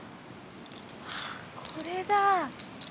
あっこれだ。